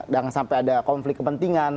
jangan sampai ada konflik kepentingan